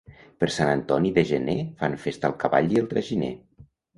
Per Sant Antoni de gener fan festa el cavall i el traginer.